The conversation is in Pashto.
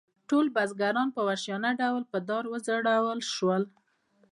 ټول بزګران په وحشیانه ډول په دار وځړول شول.